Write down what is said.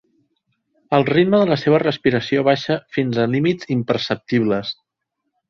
El ritme de la seva respiració baixa fins a límits imperceptibles.